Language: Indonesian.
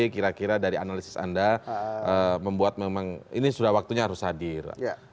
kira kira dari analisis anda membuat memang ini sudah waktunya harus hadir